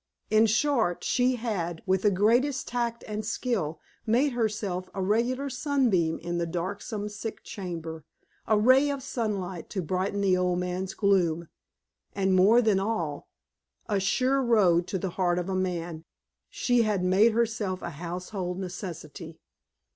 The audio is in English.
In short, she had, with the greatest tact and skill, made herself a regular sunbeam in the darksome sick chamber, a ray of sunlight to brighten the old man's gloom; and more than all a sure road to the heart of a man she had made herself a household necessity.